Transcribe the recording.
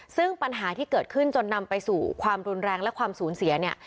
ซึ่งปัญหาที่เกิดขึ้นจนนำไปสู่ความรุนแรงและความสูญเสียเนี่ย